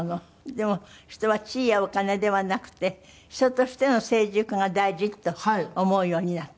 でも人は地位やお金ではなくて人としての成熟が大事と思うようになった？